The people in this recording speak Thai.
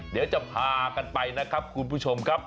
เดี๋ยวจะพากันไปนะครับคุณผู้ชมครับ